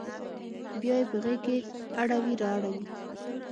بیا یې په غیږ کې اړوي را اوړي